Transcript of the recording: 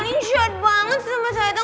iya ini syet banget sama tata